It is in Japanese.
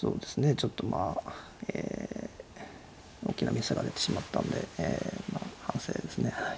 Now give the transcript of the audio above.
ちょっとまあえ大きなミスが出てしまったんで反省ですねはい。